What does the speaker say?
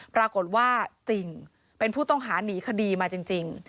ปรากฏว่าจริงเป็นผู้ต้องหาหนีคดีมาจริง